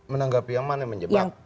menanggapi yang mana yang menjebak